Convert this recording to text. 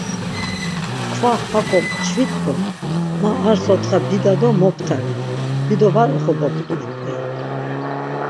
Tkva hako mçvit do ma ar sontxa bida do moptare, dido var oxoboktur ya.